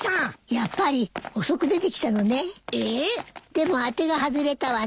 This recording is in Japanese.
でも当てが外れたわね。